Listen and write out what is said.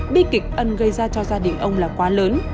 bi kịch ân gây ra cho gia đình ông là quá lớn